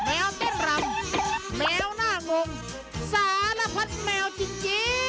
แววเต้นรำแมวน่างงสารพัดแมวจริง